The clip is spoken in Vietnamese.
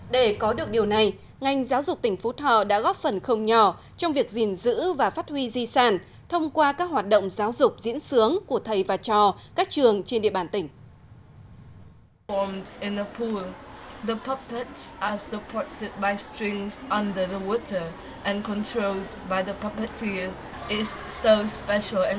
để có được điều này ngành giáo dục tỉnh phú thọ đã góp phần không nhỏ trong việc gìn giữ và phát huy di sản thông qua các hoạt động giáo dục diễn sướng của thầy và trò các trường trên địa bàn tỉnh